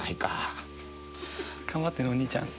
頑張ってねお兄ちゃん。